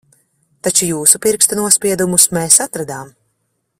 Taču jūsu pirkstu nospiedumus mēs atradām.